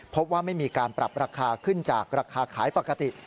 พบว่าไม่มีการปรับราคาขึ้นจากราคาขายปกติ